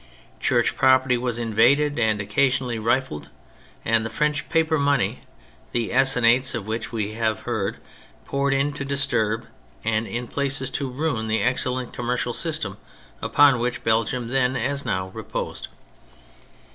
Church property was invaded and occasionally rifled, and the French paper moi)ey, the assignats of which we have heard, poured in to disturb and in places to ruin the excellent commercial system upon which Belj^ium then as now reposed.